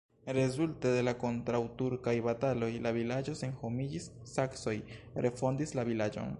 Rezulte de la kontraŭturkaj bataloj la vilaĝo senhomiĝis, saksoj refondis la vilaĝon.